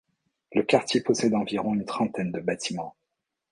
Le quartier possède environ une trentaine de bâtiments.